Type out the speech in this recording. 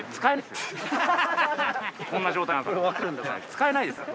こんな状態なんですから。